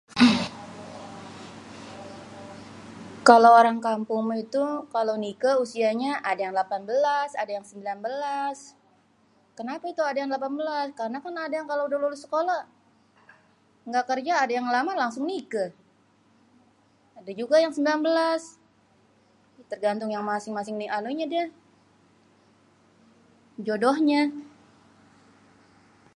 kalo orang kampung itu kalo nikêh usiênyé ada yang delapan belas ada yang sembilan belas kenapé itu ada yang delapan belas? karna kan ada yang kalo udéh lulus sekolah engga kerjé ada yang ngelamar langsung nikêh ade juga yang sembilan belas tergantung yang masing-masing nianunyê deh jodohnyê